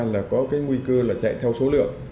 là có cái nguy cơ là chạy theo số lượng